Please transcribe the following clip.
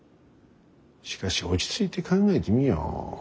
しかし落ち着いて考えてみよ。